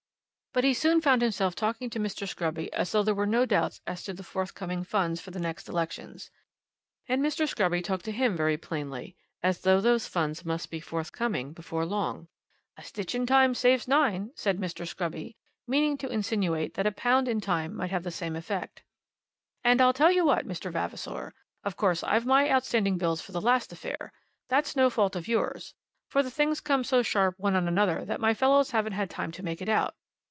But he soon found himself talking to Mr. Scruby as though there were no doubts as to the forthcoming funds for the next elections. And Mr. Scruby talked to him very plainly, as though those funds must be forthcoming before long. "A stitch in time saves nine," said Mr. Scruby, meaning to insinuate that a pound in time might have the same effect. "And I'll tell you what, Mr. Vavasor, of course I've my outstanding bills for the last affair. That's no fault of yours, for the things came so sharp one on another that my fellows haven't had time to make it out.